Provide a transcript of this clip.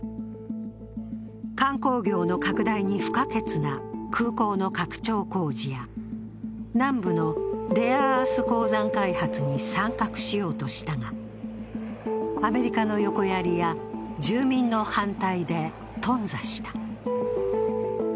観光業の拡大に不可欠な空港の拡張工事や南部のレアアース鉱山開発に参画しようとしたが、アメリカの横やりや、住民の反対で頓挫した。